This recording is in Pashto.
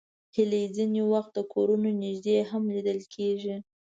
هیلۍ ځینې وخت د کورونو نږدې هم لیدل کېږي